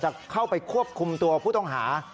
จะเข้าไปควบคุมตัวผู้ต้องหา